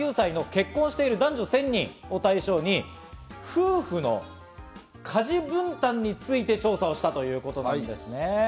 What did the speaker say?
全国の２０歳から５９歳の結婚している男女１０００人を対象に夫婦の家事分担について、調査をしたということなんですね。